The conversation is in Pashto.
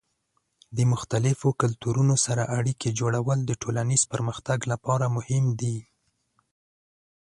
د مختلفو کلتورونو سره اړیکې جوړول د ټولنیز پرمختګ لپاره مهم دي.